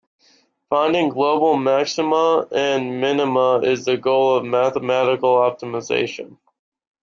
Finding global maxima and minima is the goal of mathematical optimization.